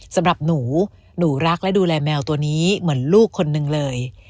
สำหรับหนูหนูรักและดูแลแมวตัวนี้เหมือนลูกคนหนึ่งเลย